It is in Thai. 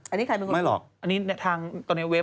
อันนี้ใครเป็นคนพูดอันนี้ทางตอนนี้เว็บ